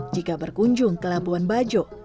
jika berkunjung ke labuan bajo